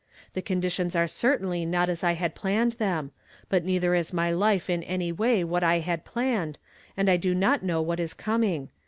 The eonditio!is are i irtainly not as I had planned them; but neither is my life in any way wliat I had phinned, and I do no now Avhat is coming.